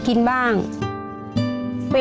ผมเคยวาดรูปพี่ตูนด้วย